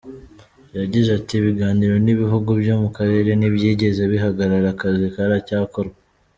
Yagize ati “Ibiganiro n’ibihugu byo mu Karere ntibyigeze bihagarara, akazi karacyakorwa.